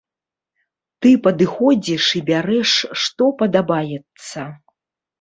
Ты падыходзіш і бярэш што падабаецца.